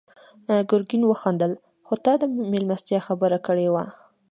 ګرګين وخندل: خو تا د مېلمستيا خبره کړې وه.